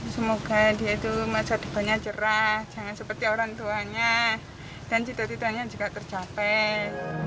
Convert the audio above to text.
semoga dia itu masa depannya cerah jangan seperti orang tuanya dan cita citanya juga tercapai